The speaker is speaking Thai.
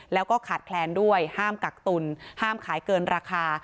แล้วก็ขาดแคลนด้วยห้ามกักตุลห้ามขายเกินราคา